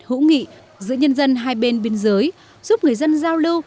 hữu nghị giữa nhân dân hai bên biên giới giúp người dân giao lưu